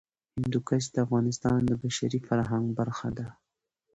هندوکش د افغانستان د بشري فرهنګ برخه ده.